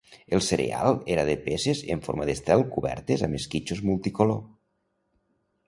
El cereal era de peces en forma d'estel cobertes amb esquitxos multicolor.